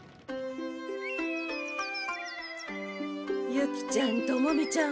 ユキちゃんトモミちゃん